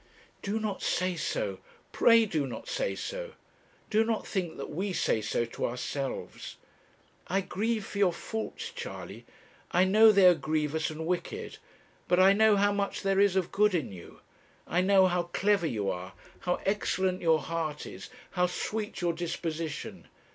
'Do not say so; pray do not say so. Do not think that we say so to ourselves. I grieve for your faults. Charley; I know they are grievous and wicked; but I know how much there is of good in you. I know how clever you are, how excellent your heart is, how sweet your disposition.